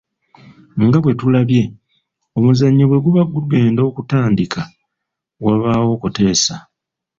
Nga bwe tulabye, omuzannyo bwe guba gugenda okutandika, wabaawo okuteesa.